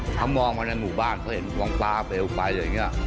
เขามองมาในหมู่บ้านเขาเห็นกองฟ้าเปลวไฟอย่างนี้